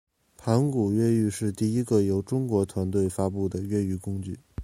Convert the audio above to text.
盘古越狱是第一个由中国团队发布的越狱工具。